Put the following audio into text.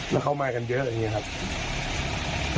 แล้วเขามากันเยอะอะไรอย่างนี้ครับ